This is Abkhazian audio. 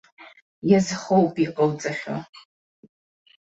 Иазхоуп иҟауҵахьоу.